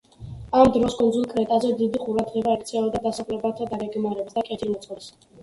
ამ დროს კუნძულ კრეტაზე დიდი ყურადღება ექცეოდა დასახლებათა დაგეგმარებას და კეთილმოწყობას.